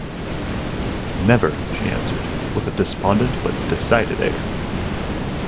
"Never," she answered, with a despondent but decided air.